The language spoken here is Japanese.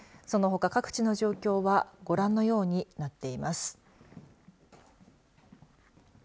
そのほか、各地の状況はご覧のようになっています。